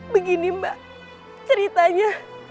begini mbak ceritanya